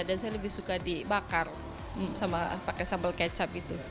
dan saya lebih suka dibakar sama pakai sambal kecap gitu